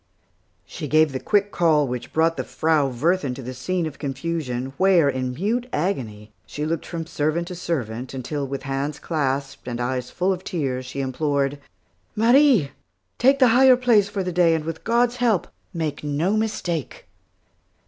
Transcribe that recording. She gave the quick call which brought the Frau Wirthin to the scene of confusion, where in mute agony, she looked from servant to servant, until, with hands clasped, and eyes full of tears, she implored, "Marie, take the higher place for the day, and with God's help, make no mistake."